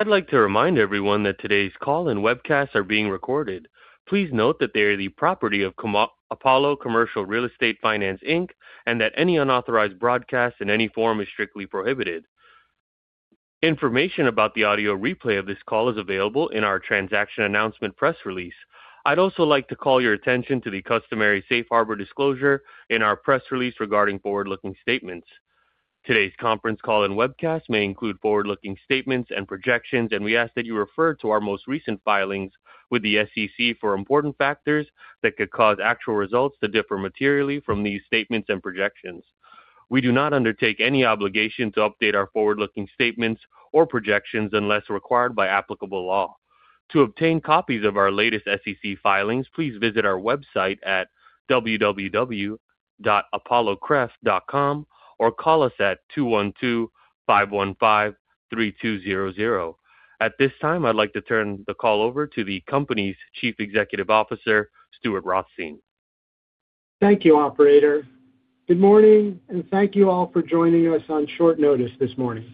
I'd like to remind everyone that today's call and webcast are being recorded. Please note that they are the property of Apollo Commercial Real Estate Finance, Inc., and that any unauthorized broadcast in any form is strictly prohibited. Information about the audio replay of this call is available in our transaction announcement press release. I'd also like to call your attention to the customary safe harbor disclosure in our press release regarding forward-looking statements. Today's conference call and webcast may include forward-looking statements and projections, and we ask that you refer to our most recent filings with the SEC for important factors that could cause actual results to differ materially from these statements and projections. We do not undertake any obligation to update our forward-looking statements or projections unless required by applicable law. To obtain copies of our latest SEC filings, please visit our website at www.apollocref.com or call us at 212-515-3200. At this time, I'd like to turn the call over to the company's Chief Executive Officer, Stuart Rothstein. Thank you, operator. Good morning, and thank you all for joining us on short notice this morning.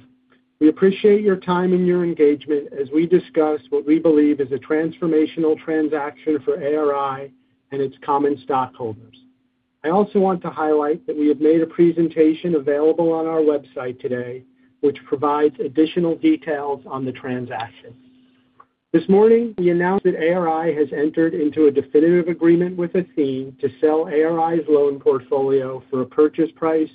We appreciate your time and your engagement as we discuss what we believe is a transformational transaction for ARI and its common stockholders. I also want to highlight that we have made a presentation available on our website today, which provides additional details on the transaction. This morning, we announced that ARI has entered into a definitive agreement with Athene to sell ARI's loan portfolio for a purchase price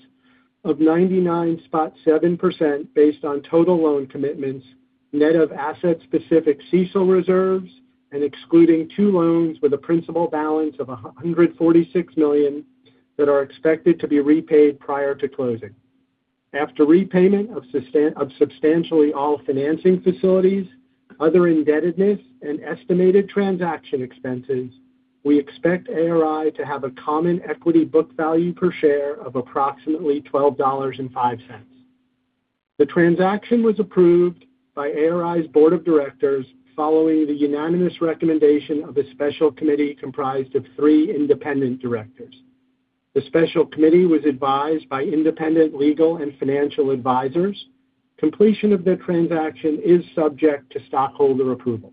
of 99.7% based on total loan commitments, net of asset-specific CECL reserves and excluding two loans with a principal balance of $146 million that are expected to be repaid prior to closing. After repayment of substantially all financing facilities, other indebtedness, and estimated transaction expenses, we expect ARI to have a common equity book value per share of approximately $12.05. The transaction was approved by ARI's board of directors following the unanimous recommendation of a special committee comprised of three independent directors. The special committee was advised by independent legal and financial advisors. Completion of the transaction is subject to stockholder approval.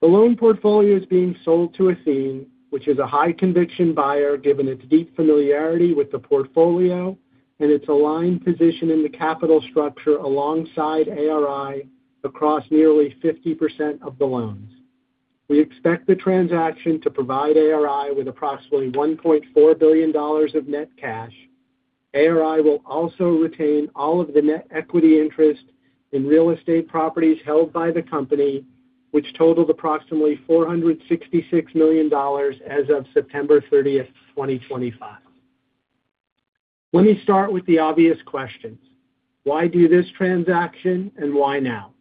The loan portfolio is being sold to Athene, which is a high conviction buyer, given its deep familiarity with the portfolio and its aligned position in the capital structure alongside ARI across nearly 50% of the loans. We expect the transaction to provide ARI with approximately $1.4 billion of net cash. ARI will also retain all of the net equity interest in real estate properties held by the company, which totaled approximately $466 million as of September 30, 2025. Let me start with the obvious questions: Why do this transaction, and why now?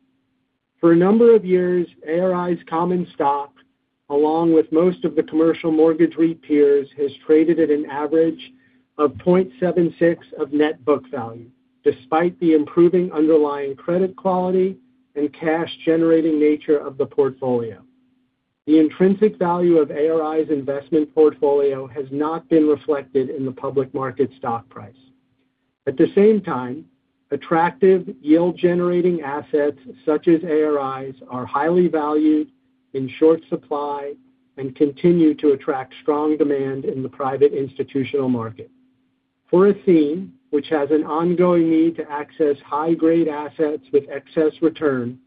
For a number of years, ARI's common stock, along with most of the commercial mortgage REIT peers, has traded at an average of 0.76 of net book value, despite the improving underlying credit quality and cash-generating nature of the portfolio. The intrinsic value of ARI's investment portfolio has not been reflected in the public market stock price. At the same time, attractive yield-generating assets, such as ARI's, are highly valued, in short supply, and continue to attract strong demand in the private institutional market. For Athene, which has an ongoing need to access high-grade assets with excess return,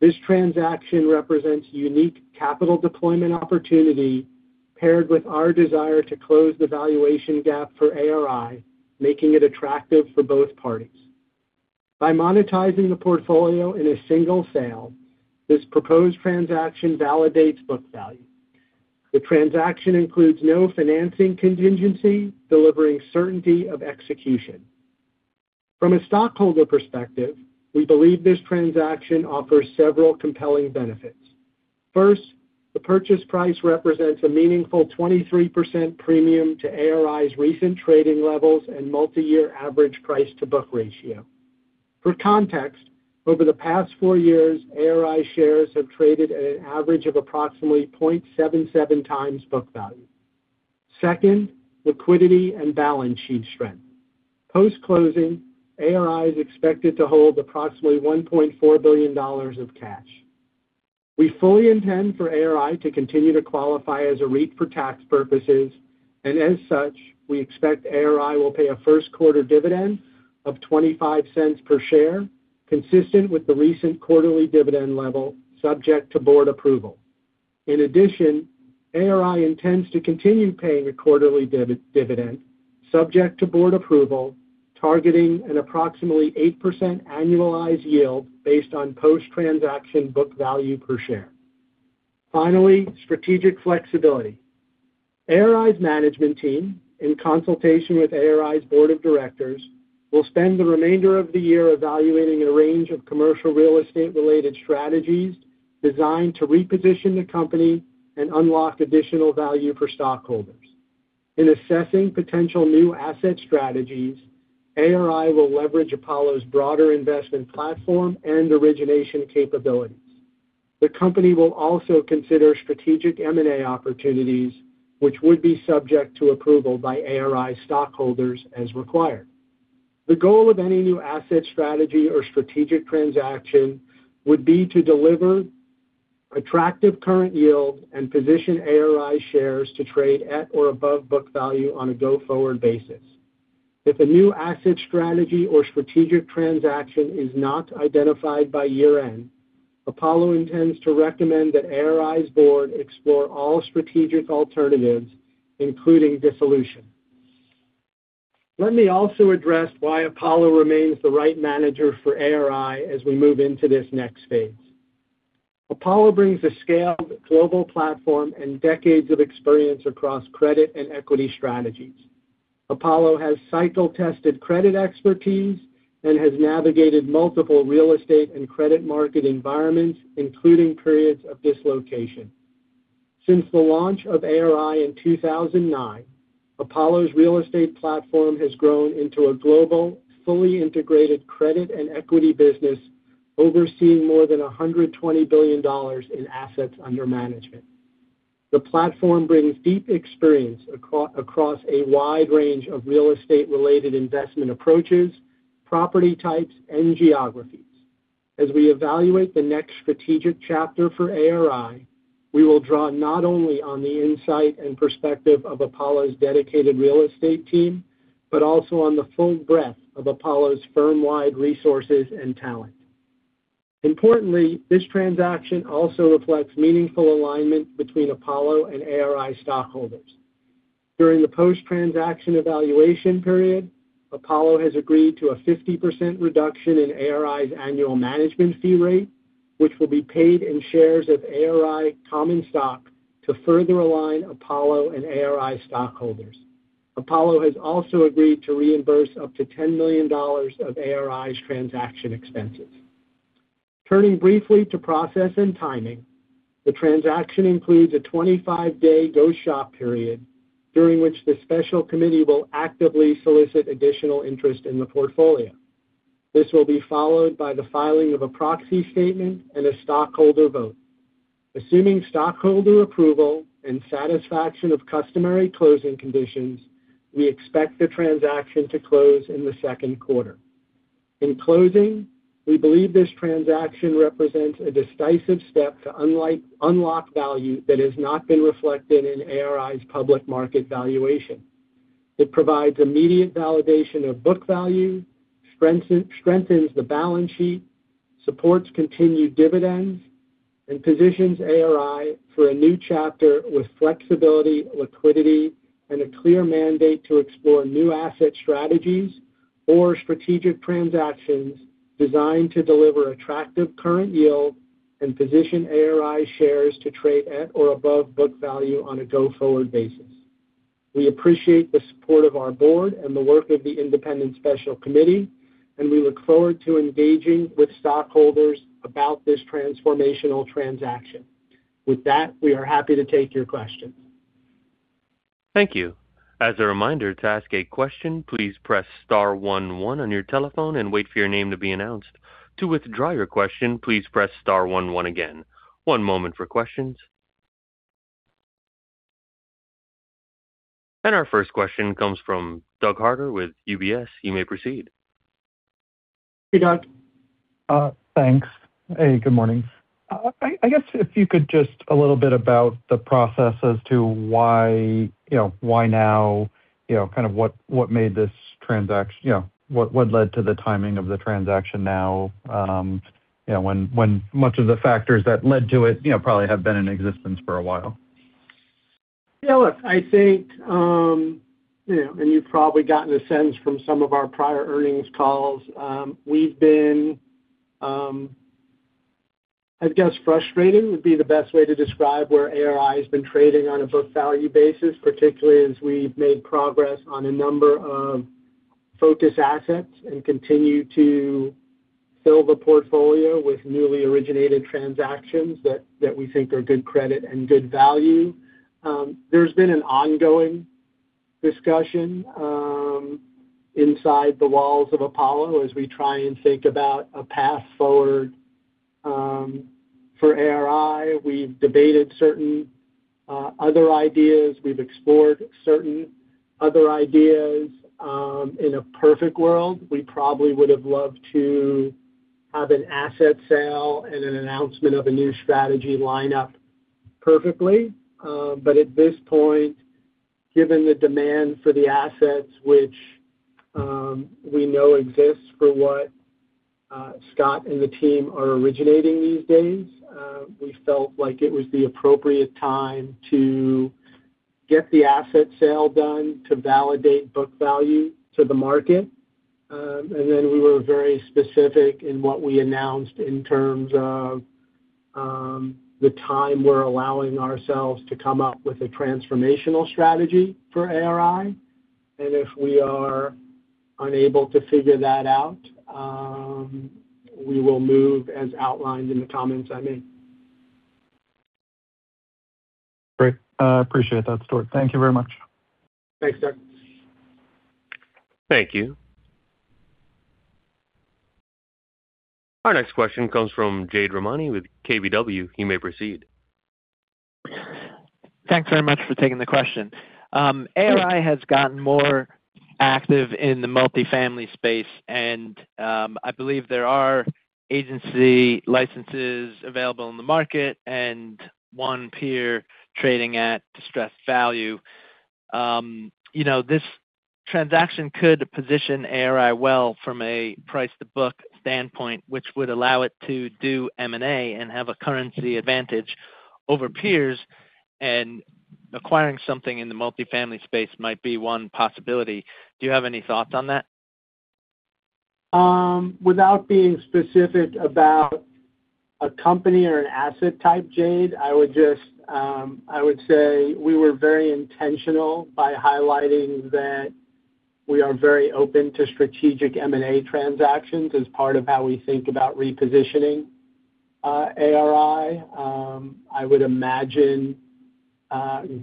this transaction represents unique capital deployment opportunity, paired with our desire to close the valuation gap for ARI, making it attractive for both parties. By monetizing the portfolio in a single sale, this proposed transaction validates book value. The transaction includes no financing contingency, delivering certainty of execution. From a stockholder perspective, we believe this transaction offers several compelling benefits. First, the purchase price represents a meaningful 23% premium to ARI's recent trading levels and multiyear average price-to-book ratio. For context, over the past four years, ARI shares have traded at an average of approximately 0.77 times book value. Second, liquidity and balance sheet strength. Post-closing, ARI is expected to hold approximately $1.4 billion of cash. We fully intend for ARI to continue to qualify as a REIT for tax purposes, and as such, we expect ARI will pay a first quarter dividend of $0.25 per share, consistent with the recent quarterly dividend level, subject to board approval. In addition, ARI intends to continue paying a quarterly dividend, subject to board approval, targeting an approximately 8% annualized yield based on post-transaction book value per share. Finally, strategic flexibility. ARI's management team, in consultation with ARI's board of directors, will spend the remainder of the year evaluating a range of commercial real estate-related strategies designed to reposition the company and unlock additional value for stockholders. In assessing potential new asset strategies, ARI will leverage Apollo's broader investment platform and origination capabilities. The company will also consider strategic M&A opportunities, which would be subject to approval by ARI stockholders as required. The goal of any new asset strategy or strategic transaction would be to deliver attractive current yield and position ARI shares to trade at or above book value on a go-forward basis. If a new asset strategy or strategic transaction is not identified by year-end, Apollo intends to recommend that ARI's board explore all strategic alternatives, including dissolution. Let me also address why Apollo remains the right manager for ARI as we move into this next phase. Apollo brings a scaled global platform and decades of experience across credit and equity strategies. Apollo has cycle-tested credit expertise and has navigated multiple real estate and credit market environments, including periods of dislocation. Since the launch of ARI in 2009, Apollo's real estate platform has grown into a global, fully integrated credit and equity business, overseeing more than $120 billion in assets under management. The platform brings deep experience across a wide range of real estate-related investment approaches, property types, and geographies. As we evaluate the next strategic chapter for ARI, we will draw not only on the insight and perspective of Apollo's dedicated real estate team, but also on the full breadth of Apollo's firm-wide resources and talent. Importantly, this transaction also reflects meaningful alignment between Apollo and ARI stockholders. During the post-transaction evaluation period, Apollo has agreed to a 50% reduction in ARI's annual management fee rate, which will be paid in shares of ARI common stock to further align Apollo and ARI stockholders. Apollo has also agreed to reimburse up to $10 million of ARI's transaction expenses. Turning briefly to process and timing, the transaction includes a 25-day go-shop period, during which the special committee will actively solicit additional interest in the portfolio. This will be followed by the filing of a proxy statement and a stockholder vote. Assuming stockholder approval and satisfaction of customary closing conditions, we expect the transaction to close in the second quarter. In closing, we believe this transaction represents a decisive step to unlock value that has not been reflected in ARI's public market valuation. It provides immediate validation of book value, strengthens the balance sheet, supports continued dividends, and positions ARI for a new chapter with flexibility, liquidity, and a clear mandate to explore new asset strategies or strategic transactions designed to deliver attractive current yield and position ARI shares to trade at or above book value on a go-forward basis. We appreciate the support of our board and the work of the independent special committee, and we look forward to engaging with stockholders about this transformational transaction. With that, we are happy to take your questions. Thank you. As a reminder, to ask a question, please press star one one on your telephone and wait for your name to be announced. To withdraw your question, please press star one one again. One moment for questions. Our first question comes from Doug Harter with UBS. You may proceed. Hey, Doug. Thanks. Hey, good morning. I guess if you could just a little bit about the process as to why, you know, why now, you know, kind of what, what made this transaction... You know, what, what led to the timing of the transaction now, you know, when, when much of the factors that led to it, you know, probably have been in existence for a while? Yeah, look, I think, you know, and you've probably gotten a sense from some of our prior earnings calls, we've been, I guess frustrated would be the best way to describe where ARI has been trading on a book value basis, particularly as we've made progress on a number of focus assets and continue to fill the portfolio with newly originated transactions that, that we think are good credit and good value. There's been an ongoing discussion inside the walls of Apollo as we try and think about a path forward for ARI. We've debated certain other ideas. We've explored certain other ideas. In a perfect world, we probably would have loved to have an asset sale and an announcement of a new strategy line up perfectly. But at this point, given the demand for the assets which we know exists for what Scott and the team are originating these days, we felt like it was the appropriate time to get the asset sale done, to validate book value to the market. And then we were very specific in what we announced in terms of the time we're allowing ourselves to come up with a transformational strategy for ARI. And if we are unable to figure that out, we will move as outlined in the comments I made. Great. I appreciate that, Stuart. Thank you very much. Thanks, Doug. Thank you. Our next question comes from Jade Rahmani with KBW. You may proceed. Thanks very much for taking the question. ARI has gotten more active in the multifamily space, and I believe there are agency licenses available in the market and one peer trading at distressed value. You know, this transaction could position ARI well from a price-to-book standpoint, which would allow it to do M&A and have a currency advantage over peers, and acquiring something in the multifamily space might be one possibility. Do you have any thoughts on that? Without being specific about a company or an asset type, Jade, I would just, I would say we were very intentional by highlighting that we are very open to strategic M&A transactions as part of how we think about repositioning, ARI. I would imagine,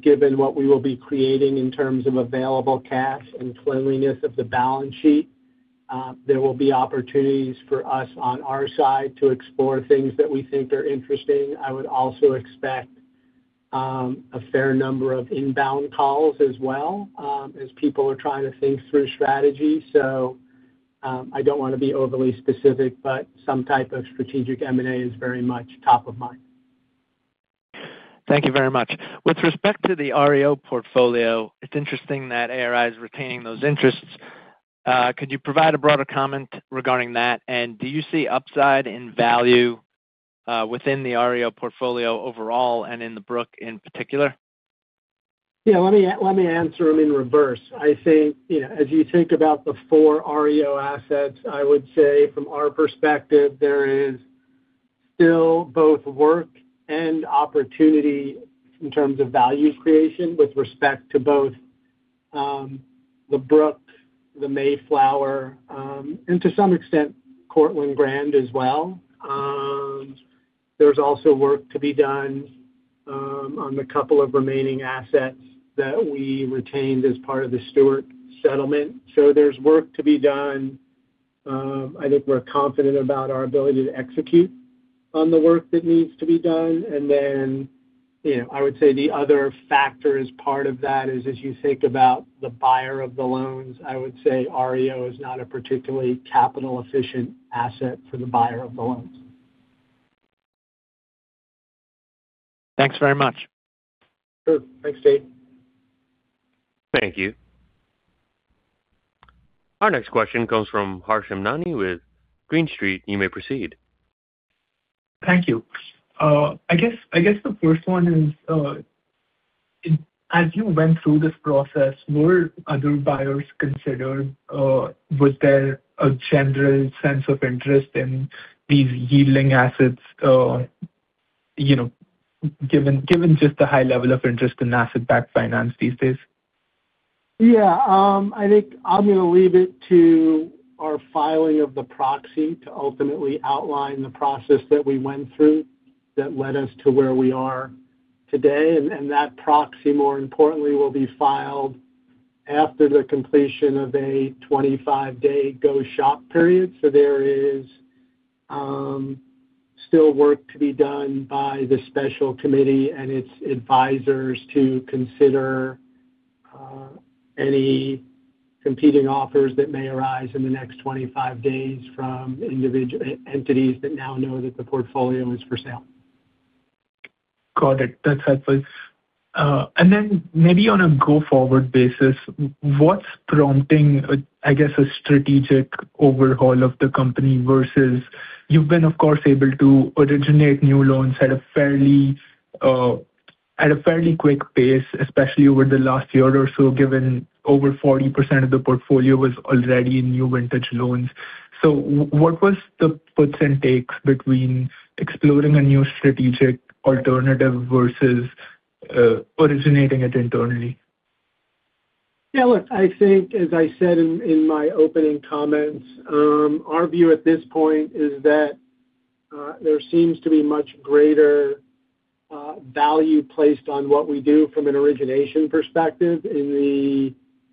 given what we will be creating in terms of available cash and cleanliness of the balance sheet, there will be opportunities for us on our side to explore things that we think are interesting. I would also expect, a fair number of inbound calls as well, as people are trying to think through strategy. So, I don't want to be overly specific, but some type of strategic M&A is very much top of mind. Thank you very much. With respect to the REO portfolio, it's interesting that ARI is retaining those interests. Could you provide a broader comment regarding that? And do you see upside in value, within the REO portfolio overall and in the Brook in particular? Yeah, let me, let me answer them in reverse. I think, you know, as you think about the four REO assets, I would say from our perspective, there is still both work and opportunity in terms of value creation with respect to both The Brook, The Mayflower, and to some extent, Courtland Grand as well. There's also work to be done on the couple of remaining assets that we retained as part of The Stewart settlement. So there's work to be done. I think we're confident about our ability to execute on the work that needs to be done. And then, you know, I would say the other factor as part of that is, as you think about the buyer of the loans, I would say REO is not a particularly capital-efficient asset for the buyer of the loans. Thanks very much. Sure. Thanks, Jade. Thank you. Our next question comes from Harsh Hemnani with Green Street. You may proceed. Thank you. I guess the first one is, as you went through this process, were other buyers considered? Was there a general sense of interest in these yielding assets, you know, given just the high level of interest in asset-backed finance these days? Yeah, I think I'm going to leave it to our filing of the proxy to ultimately outline the process that we went through that led us to where we are today. And that proxy, more importantly, will be filed after the completion of a 25-day go-shop period. So there is still work to be done by the special committee and its advisors to consider any competing offers that may arise in the next 25 days from individual entities that now know that the portfolio is for sale. Got it. That's helpful. And then maybe on a go-forward basis, what's prompting, I guess, a strategic overhaul of the company versus you've been, of course, able to originate new loans at a fairly, at a fairly quick pace, especially over the last year or so, given over 40% of the portfolio was already in new vintage loans. So what was the puts and takes between exploring a new strategic alternative versus, originating it internally? Yeah, look, I think as I said in my opening comments, our view at this point is that there seems to be much greater value placed on what we do from an origination perspective in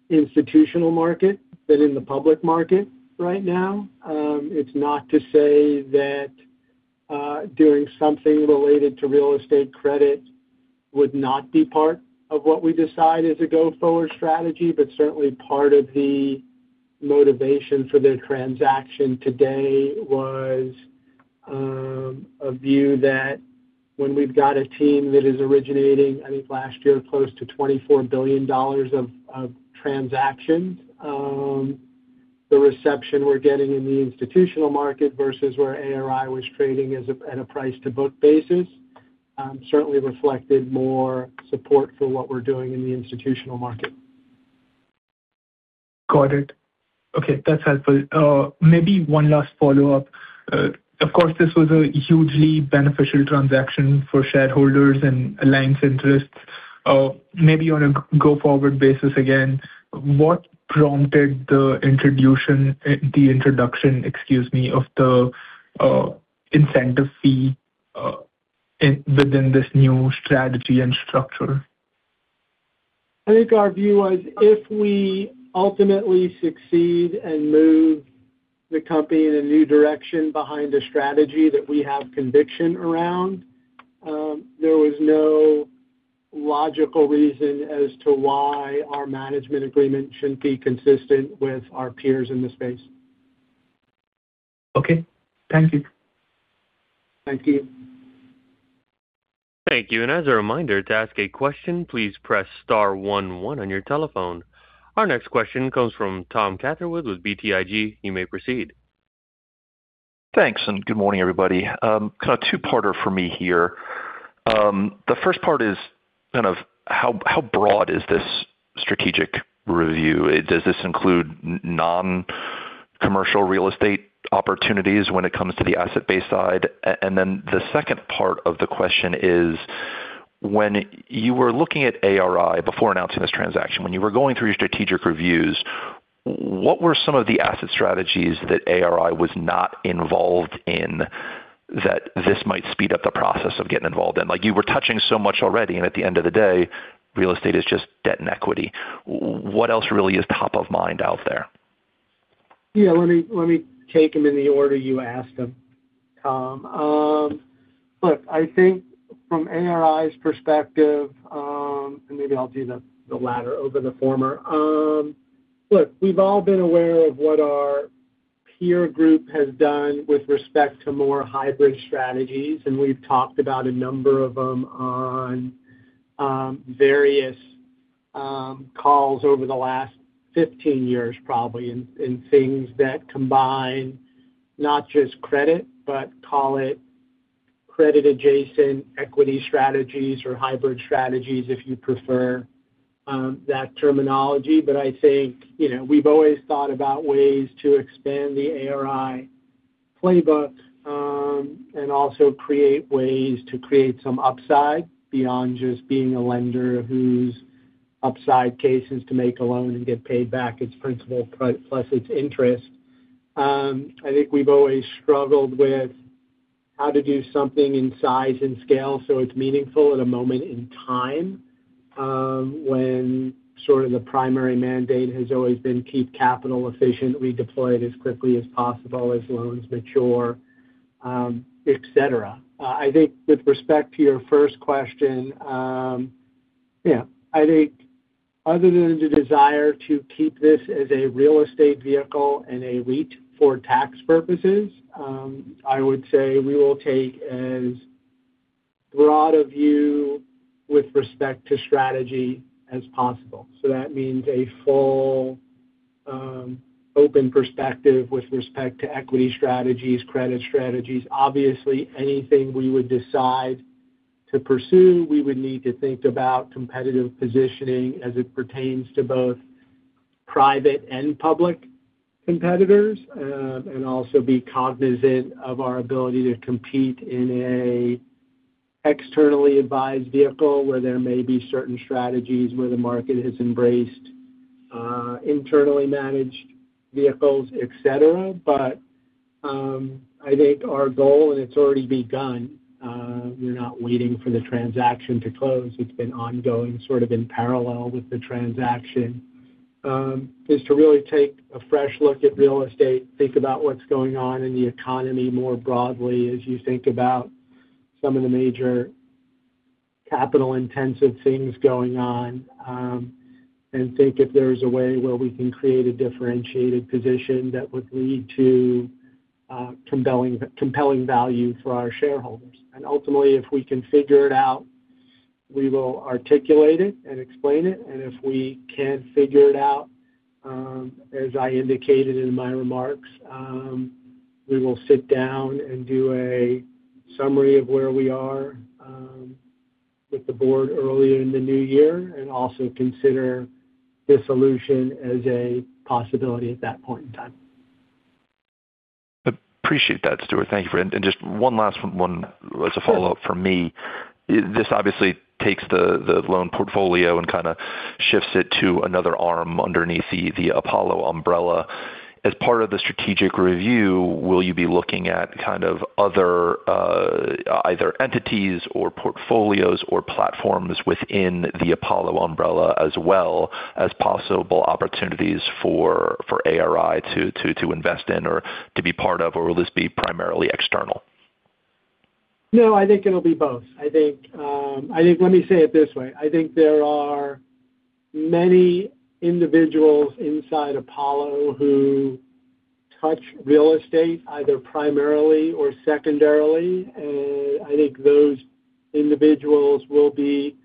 the institutional market than in the public market right now. It's not to say that doing something related to real estate credit would not be part of what we decide as a go-forward strategy, but certainly part of the motivation for the transaction today was a view that when we've got a team that is originating, I think last year, close to $24 billion of transactions, the reception we're getting in the institutional market versus where ARI was trading as at a price-to-book basis, certainly reflected more support for what we're doing in the institutional market. Got it. Okay, that's helpful. Maybe one last follow-up. Of course, this was a hugely beneficial transaction for shareholders and ARI interests. Maybe on a go-forward basis, again, what prompted the introduction, excuse me, of the incentive fee in within this new strategy and structure? I think our view is, if we ultimately succeed and move the company in a new direction behind a strategy that we have conviction around, there is no logical reason as to why our management agreement shouldn't be consistent with our peers in the space. Okay. Thank you. Thank you. Thank you, and as a reminder, to ask a question, please press star one, one on your telephone. Our next question comes from Tom Catherwood with BTIG. You may proceed. Thanks, and good morning, everybody. Kind of a two-parter for me here. The first part is kind of how broad is this strategic review? Does this include non-commercial real estate opportunities when it comes to the asset-based side? And then the second part of the question is, when you were looking at ARI before announcing this transaction, when you were going through your strategic reviews, what were some of the asset strategies that ARI was not involved in, that this might speed up the process of getting involved in? Like, you were touching so much already, and at the end of the day, real estate is just debt and equity. What else really is top of mind out there? Yeah, let me take them in the order you asked them, Tom. Look, I think from ARI's perspective, and maybe I'll do the latter over the former. Look, we've all been aware of what our peer group has done with respect to more hybrid strategies, and we've talked about a number of them on various calls over the last 15 years, probably, in things that combine not just credit, but call it credit-adjacent equity strategies or hybrid strategies, if you prefer, that terminology. But I think, you know, we've always thought about ways to expand the ARI playbook, and also create ways to create some upside, beyond just being a lender whose upside case is to make a loan and get paid back its principal plus its interest. I think we've always struggled with how to do something in size and scale, so it's meaningful at a moment in time, when sort of the primary mandate has always been keep capital efficient, redeploy it as quickly as possible, as loans mature, et cetera. I think with respect to your first question, yeah, I think other than the desire to keep this as a real estate vehicle and a REIT for tax purposes, I would say we will take as broad a view with respect to strategy as possible. So that means a full, open perspective with respect to equity strategies, credit strategies. Obviously, anything we would decide to pursue, we would need to think about competitive positioning as it pertains to both private and public competitors, and also be cognizant of our ability to compete in an externally advised vehicle, where there may be certain strategies where the market has embraced, internally managed vehicles, et cetera. But, I think our goal, and it's already begun, we're not waiting for the transaction to close, it's been ongoing sort of in parallel with the transaction, is to really take a fresh look at real estate, think about what's going on in the economy more broadly as you think about some of the major capital-intensive things going on, and think if there's a way where we can create a differentiated position that would lead to, compelling, compelling value for our shareholders. Ultimately, if we can figure it out, we will articulate it and explain it, and if we can't figure it out, as I indicated in my remarks, we will sit down and do a summary of where we are with the board earlier in the new year, and also consider dissolution as a possibility at that point in time. Appreciate that, Stuart. Thank you for it. And just one last one as a follow-up from me. This obviously takes the loan portfolio and kind of shifts it to another arm underneath the Apollo umbrella. As part of the strategic review, will you be looking at kind of other, either entities or portfolios or platforms within the Apollo umbrella, as well as possible opportunities for ARI to invest in or to be part of, or will this be primarily external? No, I think it'll be both. I think, I think, let me say it this way, I think there are many individuals inside Apollo who touch real estate, either primarily or secondarily, and I think those individuals will be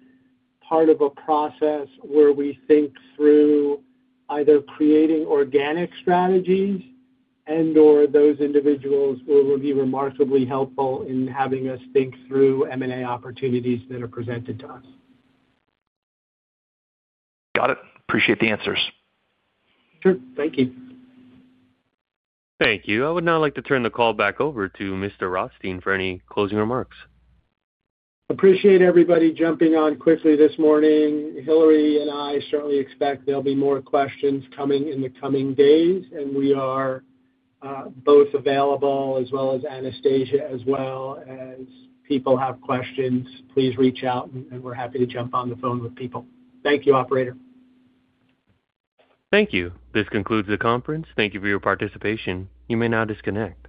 part of a process where we think through either creating organic strategies and/or those individuals will be remarkably helpful in having us think through M&A opportunities that are presented to us. Got it. Appreciate the answers. Sure. Thank you. Thank you. I would now like to turn the call back over to Mr. Rothstein for any closing remarks. Appreciate everybody jumping on quickly this morning. Hillary and I certainly expect there'll be more questions coming in the coming days, and we are both available, as well as Anastasia, as well. As people have questions, please reach out, and we're happy to jump on the phone with people. Thank you, operator. Thank you. This concludes the conference. Thank you for your participation. You may now disconnect.